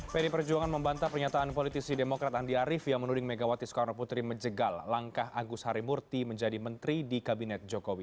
pdi perjuangan membantah pernyataan politisi demokrat andi arief yang menuding megawati soekarno putri menjegal langkah agus harimurti menjadi menteri di kabinet jokowi